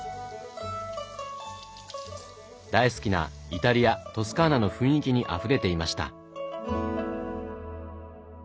大好きなイタリアトスカーナの雰囲気にあふれていました。